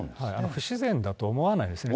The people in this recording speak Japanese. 不自然だと思わないですね。